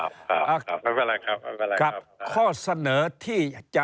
ผมไม่ใช่โคศกนะครับ